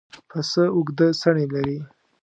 پسه اوږده څڼې لري.